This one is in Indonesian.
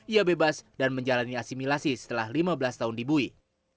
ia bebas dan menjalani asimilasi setelah lima belas tahun dibuih